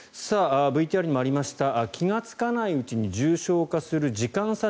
ＶＴＲにもありました気がつかないうちに重症化する時間差